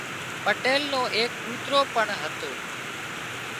پٽيل نو ايڪ ڪوترو پڻ هتو